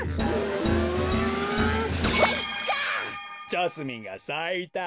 ジャスミンがさいた。